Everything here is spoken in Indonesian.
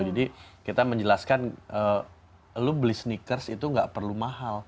jadi kita menjelaskan lu beli sneakers itu nggak perlu mahal